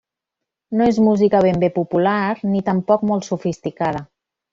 No és música ben bé popular, ni tampoc molt sofisticada.